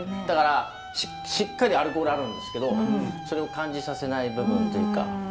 だからしっかりアルコールあるんですけどそれを感じさせない部分というか。